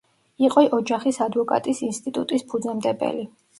იყო ოჯახის ადვოკატის ინსტიტუტის ფუძემდებელი.